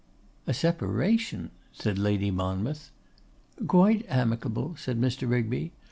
'A separation!' said Lady Monmouth. 'Quite amicable,' said Mr. Rigby.